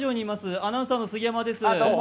アナウンサーの杉山です。